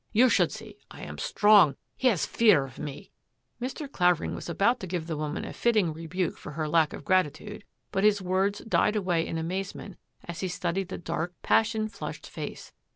You should see. I am strong. He has fear of me." Mr. Clavering was about to give the woman a fitting rebuke for her lack of gratitude, but his words died away in amazement as he studied the dark, passion flushed face.